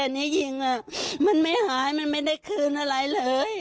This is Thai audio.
อันนี้ยิงมันไม่หายมันไม่ได้คืนอะไรเลย